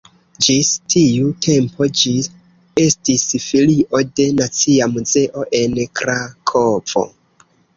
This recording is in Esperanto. Ĝis tiu tempo ĝi estis filio de Nacia Muzeo en Krakovo.